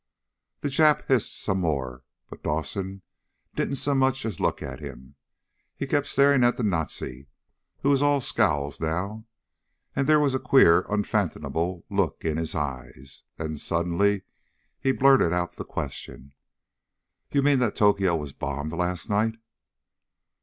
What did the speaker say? The Jap hissed some more, but Dawson didn't so much as look at him. He kept staring at the Nazi, who was all scowls now. And there was a queer, unfathomable look in his eyes. Then suddenly he blurted out the question. "You mean that Tokyo was bombed last night?"